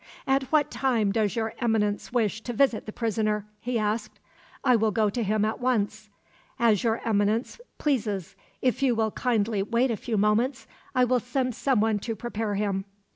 "At what time does Your Eminence wish to visit the prisoner?" he asked. "I will go to him at once." "As Your Eminence pleases. If you will kindly wait a few moments, I will send someone to prepare him."